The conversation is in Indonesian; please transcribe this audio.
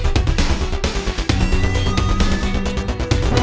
gak ada apa apa